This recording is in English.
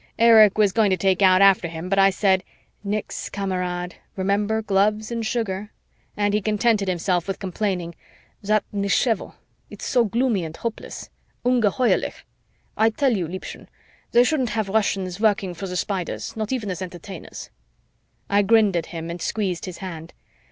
Erich was going to take out after him, but I said, "Nix, Kamerad, remember gloves and sugar," and he contented himself with complaining, "That nichevo it's so gloomy and hopeless, ungeheuerlich. I tell you, Liebchen, they shouldn't have Russians working for the Spiders, not even as Entertainers." I grinned at him and squeezed his hand.